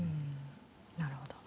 なるほど。